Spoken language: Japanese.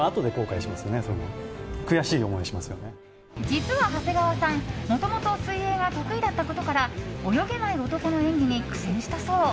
実は長谷川さん、もともと水泳が得意だったことから泳げない男の演技に苦戦したそう。